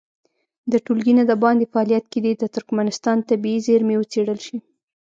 د ټولګي نه د باندې فعالیت کې دې د ترکمنستان طبیعي زېرمې وڅېړل شي.